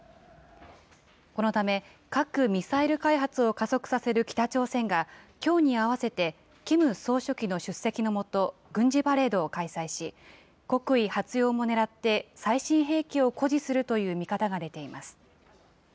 このため、核・ミサイル開発を加速させる北朝鮮が、きょうに合わせて、キム総書記の出席のもと、軍事パレードを開催し、国威発揚もねらって最新兵器を誇示するという見方が出ています。